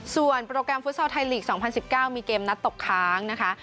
ส่วนโปรแกรมฟุตซอลไทยลีก๒๐๑๙มีเกมนัดตกค้างนะคะ